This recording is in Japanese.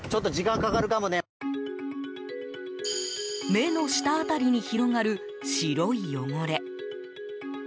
目の下辺りに広がる白い汚れ。